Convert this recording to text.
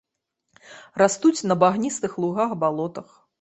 Растуць на багністых лугах, балотах.